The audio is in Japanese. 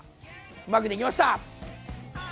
うまくできました！